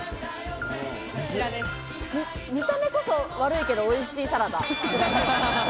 見た目こそ悪いけどおいしいサラダ。